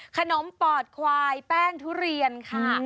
ขนมปอดควายแป้งทุเรียนค่ะ